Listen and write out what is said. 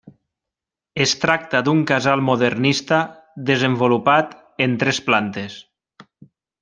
Es tracta d'un casal modernista desenvolupat en tres plantes.